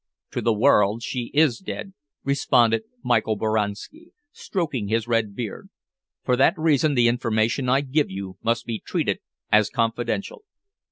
"To the world she is dead," responded Michael Boranski, stroking his red beard. "For that reason the information I give you must be treated as confidential."